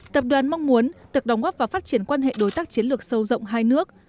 tập đoàn mong muốn được đóng góp vào phát triển quan hệ đối tác chiến lược sâu rộng hai nước